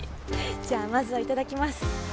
じゃあまずは頂きます！